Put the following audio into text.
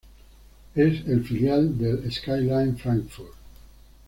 Es el filial del Skyliners Frankfurt.